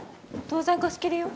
当然貸し切りよ。